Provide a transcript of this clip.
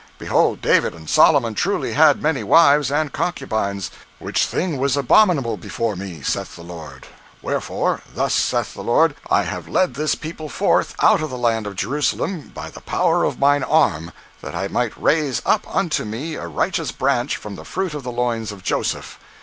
Behold, David and Solomon truly had many wives and concubines, which thing was abominable before me, saith the Lord; wherefore, thus saith the Lord, I have led this people forth out of the land of Jerusalem, by the power of mine arm, that I might raise up unto me a righteous branch from the fruit of the loins of Joseph.